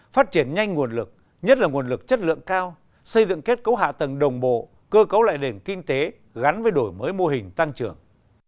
phát triển nhanh nguồn lực nhất là nguồn lực chất lượng cao xây dựng kết cấu hạ tầng đồng bộ cơ cấu lại nền kinh tế gắn với đổi mới mô hình tăng trưởng